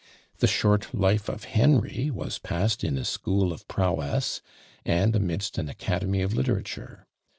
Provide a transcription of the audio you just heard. The short life of Henry was passed in a school of prowess, and amidst an academy of literature.